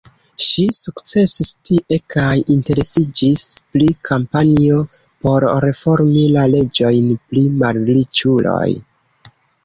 Ŝi sukcesis tie, kaj interesiĝis pri kampanjo por reformi la leĝojn pri malriĉuloj.